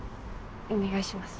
お願いします。